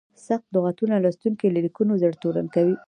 سخت لغتونه لوستونکي له لیکنو زړه تورن کوي.